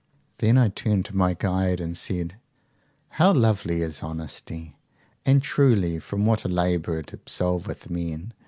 "'Then I turned to my guide and said: How lovely is honesty! and truly from what a labour it absolveth men!